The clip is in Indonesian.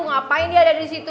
ngapain dia ada disitu